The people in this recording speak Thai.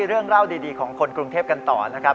เรื่องเล่าดีของคนกรุงเทพกันต่อนะครับ